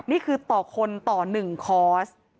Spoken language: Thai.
นี่คือต่อคนต่อ๑คอร์ส